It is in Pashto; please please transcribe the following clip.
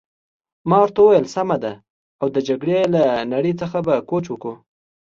ما ورته وویل: سمه ده، او د جګړې له نړۍ څخه به کوچ وکړو.